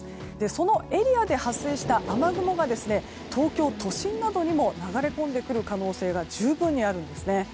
そのエリアで発生した雨雲が東京都心などにも流れ込んでくる可能性が十分にあるんですね。